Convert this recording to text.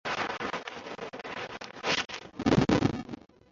山北町为新舄县最北端面向日本海的一町。